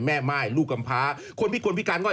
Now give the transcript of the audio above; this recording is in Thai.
แม่ไหม้ลูกกำพาคนพิคุณพิการง่อย